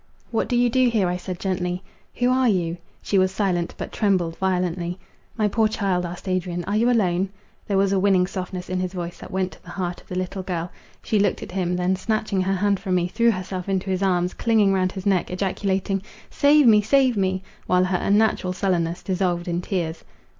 "What do you do here?" I said gently; "Who are you?"—she was silent, but trembled violently.—"My poor child," asked Adrian, "are you alone?" There was a winning softness in his voice, that went to the heart of the little girl; she looked at him, then snatching her hand from me, threw herself into his arms, clinging round his neck, ejaculating—"Save me! save me!" while her unnatural sullenness dissolved in tears.